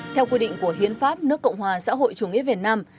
theo quy định của hiến pháp nước cộng hòa xã hội chủ nghĩa việt nam